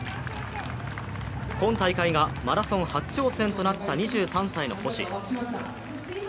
今大会がマラソン初挑戦となった２３歳の星。